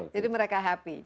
jadi mereka happy